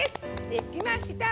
できました。